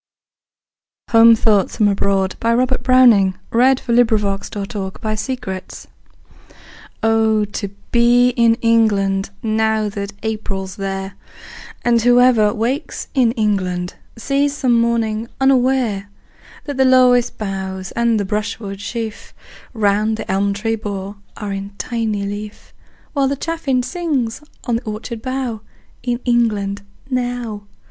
aus of Innsbruck cast in bronze for me! Robert Browning Home Thoughts, From Abroad OH, to be in England Now that April's there, And whoever wakes in England Sees, some morning, unaware, That the lowest boughs and the brush wood sheaf Round the elm tree bole are in tiny leaf, While the chaffinch sings on the orchard bough In England now!